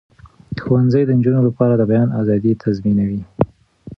ښوونځي د نجونو لپاره د بیان آزادي تضمینوي.